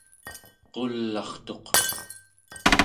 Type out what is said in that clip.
qul'artuq